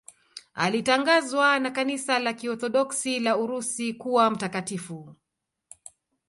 Alitangazwa na Kanisa la Kiorthodoksi la Urusi kuwa mtakatifu.